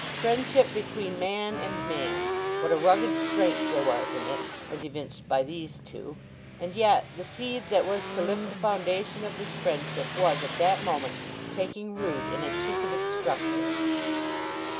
Friendship between man and man; what a rugged strength there was in it, as evinced by these two. And yet the seed that was to lift the foundation of this friendship was at that moment taking root in a chink of its structure.